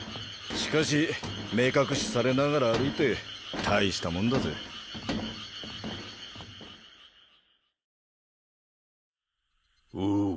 しかし目隠しされながら歩いてたいしたもんだぜおう